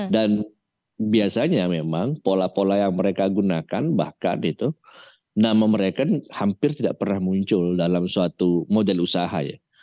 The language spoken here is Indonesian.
dan biasanya memang pola pola yang mereka gunakan bahkan itu nama mereka hampir tidak pernah muncul dalam suatu model usaha ya